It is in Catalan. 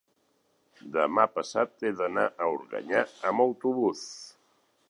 demà passat he d'anar a Organyà amb autobús.